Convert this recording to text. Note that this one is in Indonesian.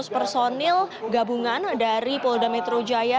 lima ratus personil gabungan dari polda metro jaya